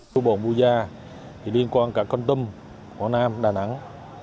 thu bồn vu gia liên quan cả con tâm quảng nam đà nẵng